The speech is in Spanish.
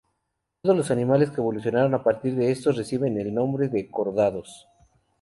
Todos los animales que evolucionaron a partir de estos, reciben el nombre de cordados.